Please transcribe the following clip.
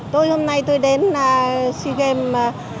tôi hôm nay tôi đến sea games